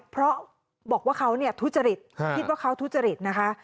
เพราะบอกว่าเขาเนี่ยทุจริตคิดว่าเขาทุจริตนะคะ